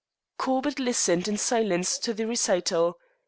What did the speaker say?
Corbett listened in silence to the recital.